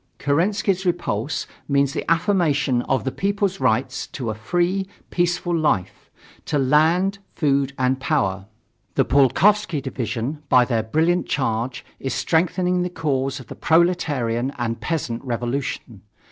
Kerensky's repulse means the affirmation of the people's rights to a free, peaceful life, to land, food and power. The Pulkovsky division, by their brilliant charge, is strengthening the cause of the proletarian and peasant revolution.